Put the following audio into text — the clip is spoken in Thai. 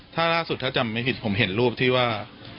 ถ้าล่าสุดถ้าจำไม่ผิดผมเห็นรูปที่ว่า